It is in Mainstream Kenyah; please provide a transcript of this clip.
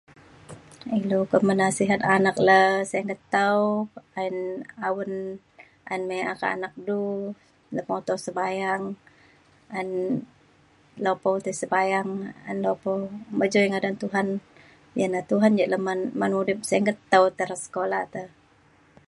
ilu pemenasihat anak le singget tau ayen awen ayen mi’a ke anak du lemuto sebayang ayen lepau tai sebayang ayen de pu mejui ngadan Tuhan ina Tuhan yak lemen men udip singget tau te re sekula te